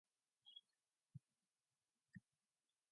Money and points can be earned by completing missions.